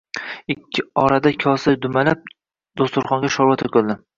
Ikki orada kosa dumalab, dasturxonga sho‘rva to‘kildi.